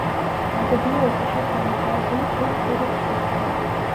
ნაგებია უხეშად დამუშავებული ქვით კირის ხსნარზე.